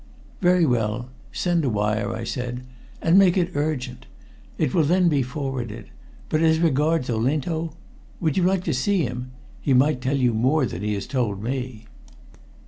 "Very well. Send a wire," I said. "And make it urgent. It will then be forwarded. But as regards Olinto? Would you like to see him? He might tell you more than he has told me."